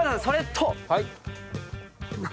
それと。